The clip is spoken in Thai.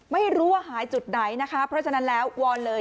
ไม่รู้ว่าหายจุดไหนนะคะเพราะฉะนั้นแล้ววอนเลย